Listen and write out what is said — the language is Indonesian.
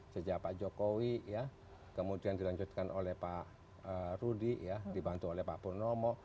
sejak pak jokowi kemudian dilanjutkan oleh pak rudi dibantu oleh pak purnomo